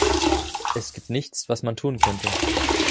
Es gibt nichts, was man tun könnte.